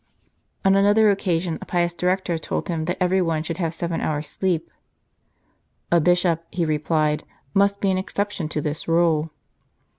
On another occasion a pious director told him that everyone should have seven hours sleep. "A Bishop," he replied, " must be an exception to this rule."